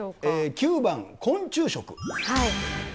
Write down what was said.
９番、昆虫食。